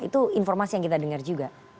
itu informasi yang kita dengar juga